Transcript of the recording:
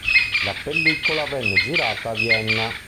La pellicola venne girata a Vienna.